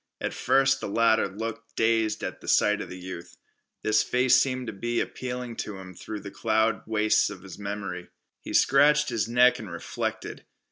At first the latter looked dazed at the sight of the youth. This face seemed to be appealing to him through the cloud wastes of his memory. He scratched his neck and reflected.